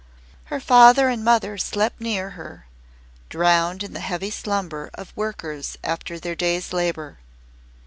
Her father and mother slept near her, drowned in the heavy slumber of workers after their day's labour.